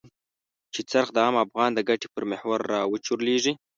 چې څرخ د عام افغان د ګټې پر محور را وچورليږي.